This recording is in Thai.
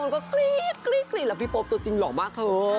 ก็กรี๊ดแล้วพี่โป๊ปตัวจริงหลอกมาก